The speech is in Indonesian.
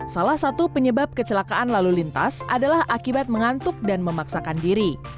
salah satu penyebab kecelakaan lalu lintas adalah akibat mengantuk dan memaksakan diri